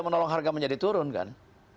menolong harga menjadi turun kan